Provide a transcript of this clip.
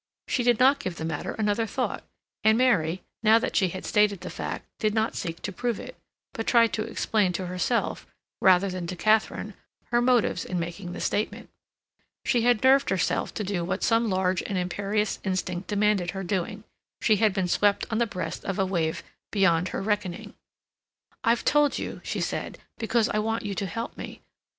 She did not give the matter another thought, and Mary, now that she had stated the fact, did not seek to prove it, but tried to explain to herself, rather than to Katharine, her motives in making the statement. She had nerved herself to do what some large and imperious instinct demanded her doing; she had been swept on the breast of a wave beyond her reckoning. "I've told you," she said, "because I want you to help me.